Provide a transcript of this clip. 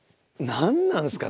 何なんですか？